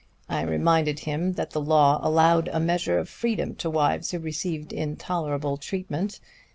I reminded him that the law allowed a measure of freedom to wives who received intolerable treatment.